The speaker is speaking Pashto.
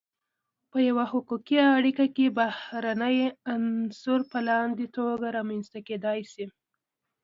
په یوه حقوقی اړیکی کی بهرنی عنصر په لاندی توګه رامنځته کیدای سی :